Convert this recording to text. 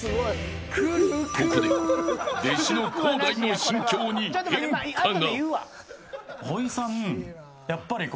ここで弟子の航大の心境に変化が。